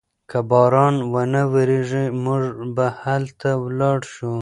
که باران و نه وریږي موږ به هلته لاړ شو.